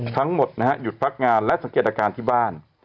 ทั้งหมดนะฮะหยุดพักงานและสังเกตอาการที่บ้าน